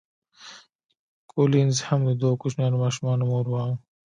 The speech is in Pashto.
کولینز هم د دوو کوچنیو ماشومانو مور وه.